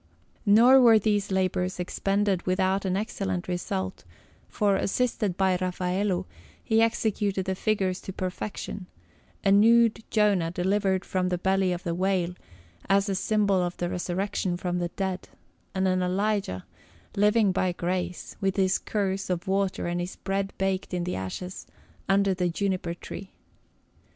Nor were these labours expended without an excellent result, for, assisted by Raffaello, he executed the figures to perfection: a nude Jonah delivered from the belly of the whale, as a symbol of the resurrection from the dead, and an Elijah, living by grace, with his cruse of water and his bread baked in the ashes, under the juniper tree.